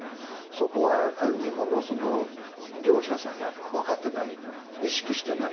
そこを日本の業者さんがわかってない意識してない。